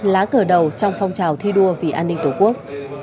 lá cờ đầu trong phong trào thi đua vì an ninh tổ quốc